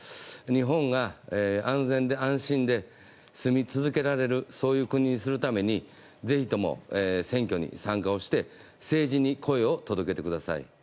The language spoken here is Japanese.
日本が安全で安心な住み続けられるそういう国にするためにぜひとも選挙に参加をして政治に声を届けてください。